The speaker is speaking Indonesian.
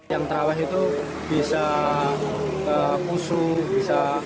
yang terawih itu bisa kusu bisa